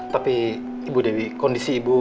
tapi ibu dewi kondisi ibu